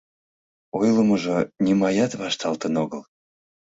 Ойлымыжо нимаят вашталтын огыл.